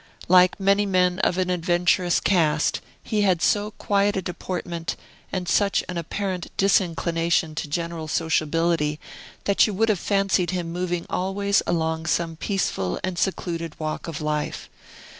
Like many men of an adventurous cast, he had so quiet a deportment, and such an apparent disinclination to general sociability, that you would have fancied him moving always along some peaceful and secluded walk of life.